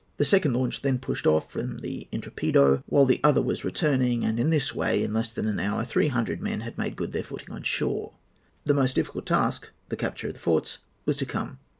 The second launch then pushed off from the Intrepido, while the other was returning; and in this way, in less than an hour, three hundred men had made good their footing on shore. "The most difficult task, the capture of the forts, was to come.